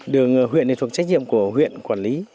đường huyện này thuộc trách nhiệm của huyện quản lý